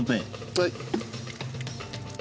はい。